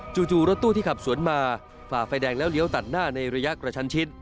จู่รถตู้ที่ขับสวนมาฝ่าไฟแดงแล้วเลี้ยวตัดหน้าในระยะกระชันชิด